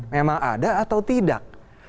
memang ada atau tidak